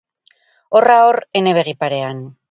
Horra hor, ene begi parean.